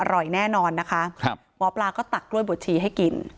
อร่อยแน่นอนนะคะครับหมอปลาก็ตักกล้วยบวชชีให้กิน